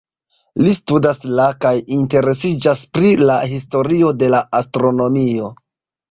Li studas la kaj interesiĝas pri la historio de la astronomio.